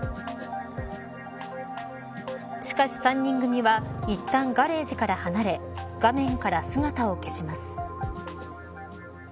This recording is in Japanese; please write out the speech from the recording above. しかし、３人組はいったんガレージから離れ画面から姿を消します。